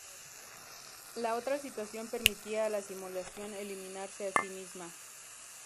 La otra situación permitía a la simulación eliminarse a sí misma.